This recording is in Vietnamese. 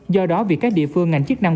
do đó vì các địa phương ngành chức năng